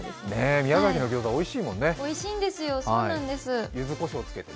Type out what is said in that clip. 宮崎のギョーザおいしいもんね。